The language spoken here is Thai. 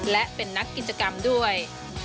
และเป็นนักกิจกรรมด้วย